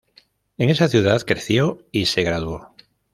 En esa ciudad creció y se graduó.